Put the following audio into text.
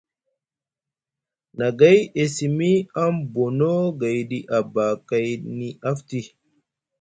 Nagay e simi aŋ bonu gayɗi abakayni afti.